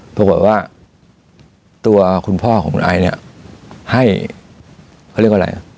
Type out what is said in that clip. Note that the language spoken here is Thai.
ปรากฏว่าตัวคุณพ่อของคุณไอเนี่ยให้เขาเรียกว่าอะไร